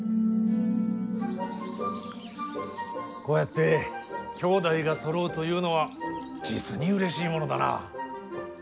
こうやって兄弟がそろうというのは実にうれしいものだな。